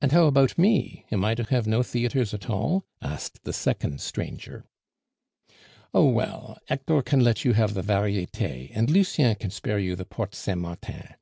"And how about me? Am I to have no theatres at all?" asked the second stranger. "Oh well, Hector can let you have the Varietes, and Lucien can spare you the Porte Saint Martin.